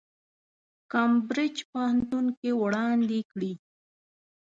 کمبریج پوهنتون کې وړاندې کړي.